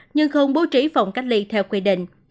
nhưng không bố trí phòng cách ly theo quy định